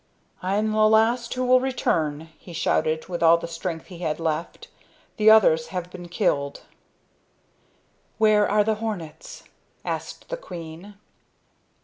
"I am the last who will return," he shouted with all the strength he had left. "The others have been killed." "Where are the hornets?" asked the queen.